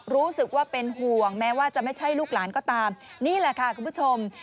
รู้สึกว่าเป็นห่วงแม้ว่าจะไม่ใช่ลูกหลานก็ตามนี่แหละค่ะคุณผู้ชม